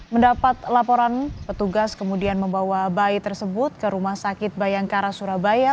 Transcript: mendapat laporan petugas kemudian membawa bayi tersebut ke rumah sakit bayangkara surabaya